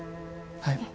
はい。